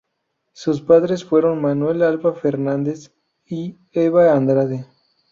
Sus padres fueron Manuel Alba Fernández y Eva Andrade.